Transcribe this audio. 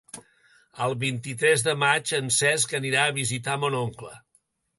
El vint-i-tres de maig en Cesc anirà a visitar mon oncle.